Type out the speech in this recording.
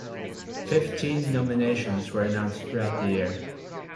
Fifteen nominations were announced throughout the year.